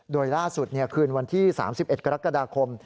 โดยล่าสุดคืนวันที่๓๑กรกฎาคม